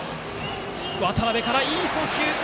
渡邊からいい送球！